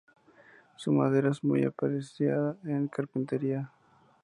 Su madera es muy apreciada en carpintería.